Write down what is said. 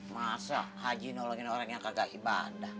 masa haji nolongin orang yang kagak ibadah